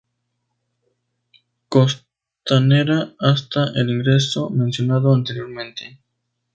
Costanera, hasta el ingreso mencionado anteriormente.